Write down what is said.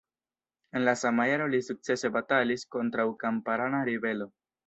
En la sama jaro li sukcese batalis kontraŭ kamparana ribelo.